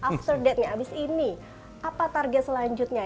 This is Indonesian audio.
after that nya abis ini apa target selanjutnya